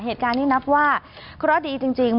เหตุการณ์นี้นับว่าเคราะห์ดีจริง